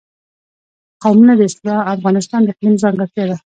قومونه د افغانستان د اقلیم ځانګړتیا ده.